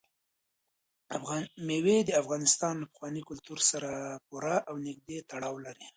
مېوې د افغانستان له پخواني کلتور سره پوره او نږدې تړاو لري.